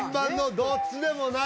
どっちでもない？